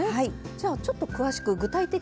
じゃちょっと詳しく具体的に。